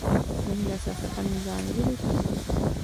زموږ د اساسي قانون ځانګړنې کومې دي؟